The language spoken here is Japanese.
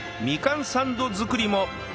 みかんサンド作りも